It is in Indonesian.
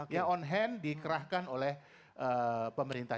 ya on hand dikerahkan oleh pemerintah